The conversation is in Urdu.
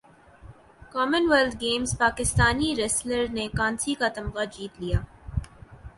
کامن ویلتھ گیمزپاکستانی ریسلر نے کانسی کا تمغہ جیت لیا